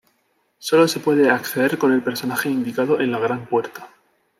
Sólo se puede acceder con el personaje indicado en la gran puerta.